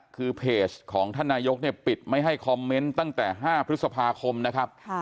คือเพจของท่านนายกเนี่ยปิดไม่ให้คอมเมนต์ตั้งแต่๕พฤษภาคมนะครับ